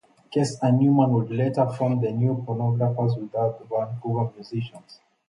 Case and Newman would later form The New Pornographers with other Vancouver musicians.